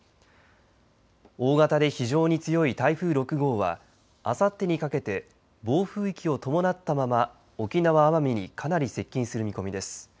大型で非常に強い台風６号はあさってにかけて暴風域を伴ったまま沖縄・奄美にかなり接近する見込みです。